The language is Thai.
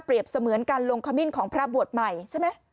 เสมือนการลงขมิ้นของพระบวชใหม่ใช่ไหม